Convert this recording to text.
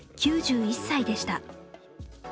９１歳でした。